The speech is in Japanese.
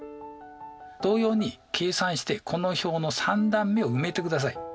同様に計算してこの表の３段目を埋めてください。